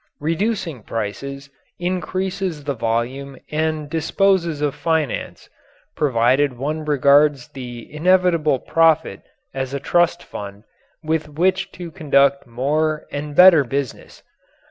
Reducing prices increases the volume and disposes of finance, provided one regards the inevitable profit as a trust fund with which to conduct more and better business.